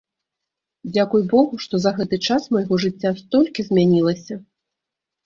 Дзякуй богу, што за гэты час майго жыцця столькі змянілася.